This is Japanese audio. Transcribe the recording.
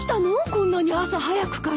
こんなに朝早くから。